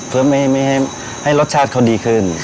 เพื่อไม่ให้รสชาติเขาดีขึ้น